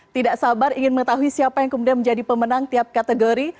tidak sabar ingin mengetahui siapa yang kemudian menjadi pemenang tiap kategori